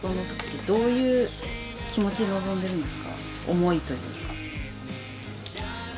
思いというか。